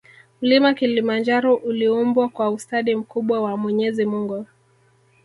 Mlima kilimanjaro uliumbwa kwa ustadi mkubwa wa mwenyezi mungu